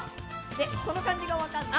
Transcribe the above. この漢字が分かんない。